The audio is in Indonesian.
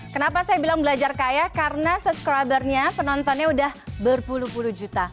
kenapa saya bilang belajar kaya karena subscribernya penontonnya udah berpuluh puluh juta